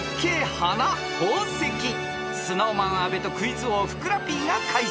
［ＳｎｏｗＭａｎ阿部とクイズ王ふくらＰが解説］